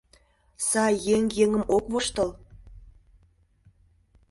Сай еҥ еҥым ок воштыл.